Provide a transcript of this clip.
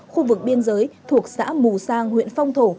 khu vực biên giới thuộc xã mù sang huyện phong thổ